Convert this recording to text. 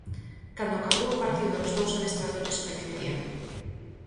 Cando acabou o partido, os dous adestradores coincidían.